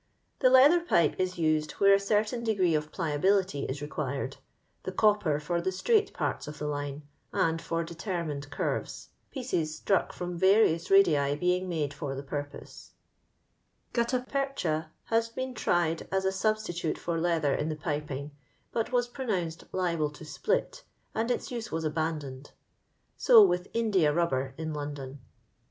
TheleallMr pipe is used where a certain degree of plisli u^ is reanired; the oopper for the staicht puts of the line, and ibr detormined pieees struck ficom Tarious radii ' fbr the purpose. Outta percha has been tried as a snbstxlute for leather in the piping, but was prononuoed liable to split, and its use was abandoned. So vrith India rubber in Loudon.